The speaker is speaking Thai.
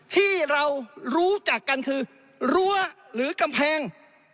ที่เรารู้จักกันคือรั้วหรือกำแพง